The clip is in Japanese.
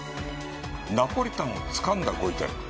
ナポリタンをつかんだご遺体？